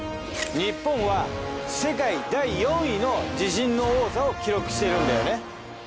日本は世界第４位の地震の多さを記録してるんだよね。